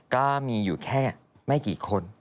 ก็มีอยู่แค่ไม่กี่คน